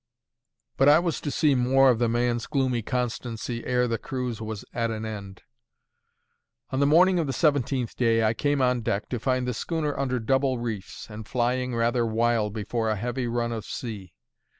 But I was to see more of the man's gloomy constancy ere the cruise was at an end. On the morning of the seventeenth day I came on deck, to find the schooner under double reefs, and flying rather wild before a heavy run of sea.